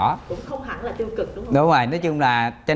cũng không hẳn là tiêu cực đúng không